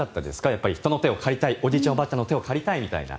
やっぱり人の手を借りたいおじいちゃん、おばあちゃんの手を借りたいみたいな。